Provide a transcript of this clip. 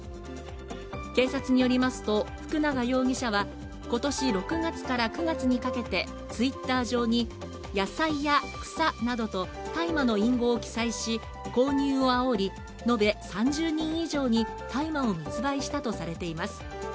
警察によりますと、福永容疑者は今年６月から９月にかけてＴｗｉｔｔｅｒ上に、野菜や草などと大麻の隠語を記載し購入をあおり、延べ３０人以上に大麻を密売したとされています。